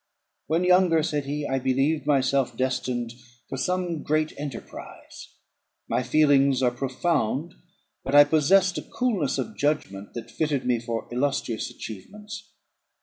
"When younger," said he, "I believed myself destined for some great enterprise. My feelings are profound; but I possessed a coolness of judgment that fitted me for illustrious achievements.